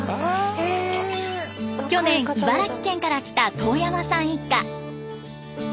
去年茨城県から来た當山さん一家。